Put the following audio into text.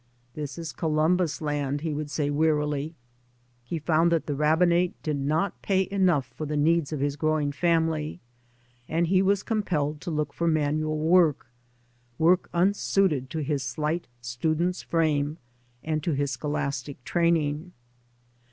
" This is Columbus' land," he would say wearily. He found that the rabbinate did not pay enough for the needs of his growing family, and he was com pelled to look for manual work, work un suited to his slight student's frame, and to his scholastic tratnng.